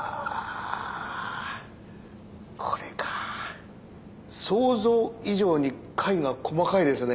これか想像以上に貝が細かいですね。